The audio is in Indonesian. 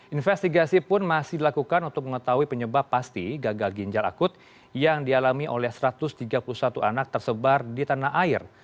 investigasi pun masih dilakukan untuk mengetahui penyebab pasti gagal ginjal akut yang dialami oleh satu ratus tiga puluh satu anak tersebar di tanah air